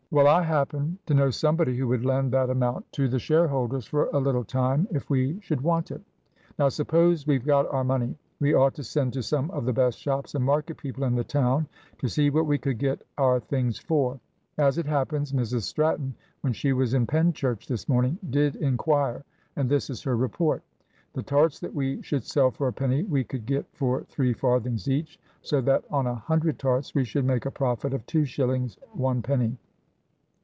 Well, I happen to know somebody who would lend that amount to the shareholders for a little time if we should want it. Now suppose we've got our money. We ought to send to some of the best shops and market people in the town to see what we could get our things for. As it happens, Mrs Stratton when she was in Penchurch this morning did inquire, and this is her report. The tarts that we should sell for a penny we could get for three farthings each, so that on a hundred tarts we should make a profit of 2 shillings 1 penny.